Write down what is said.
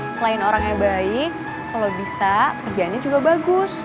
selain orangnya baik kalau bisa kerjaannya juga bagus